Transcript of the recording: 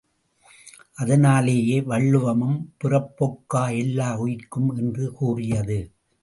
அதனாலேயே வள்ளுவமும், பிறப்பொக்கும் எல்லா உயிர்க்கும் என்று கூறியது.